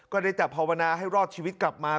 ได้แต่ภาวนาให้รอดชีวิตกลับมา